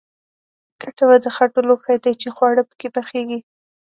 کټوه د خټو لوښی دی چې خواړه پکې پخیږي